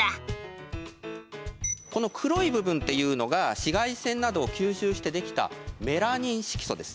この黒い部分っていうのが紫外線などを吸収してできたメラニン色素です。